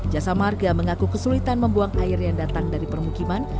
jasa marga mengaku kesulitan membuang air yang datang dari permukiman